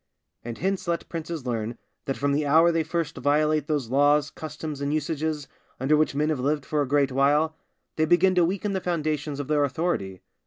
And hence let princes learn that from the hour they first violate those laws, customs, and usages under which men have lived for a great while, they begin to weaken the foundations of their authority.